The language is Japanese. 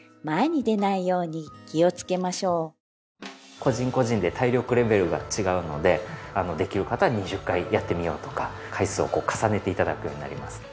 個人個人で体力レベルが違うのでできる方は２０回やってみようとか回数を重ねて頂くようになります。